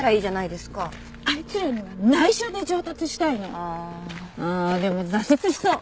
ああでも挫折しそう。